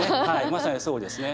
まさにそうですね。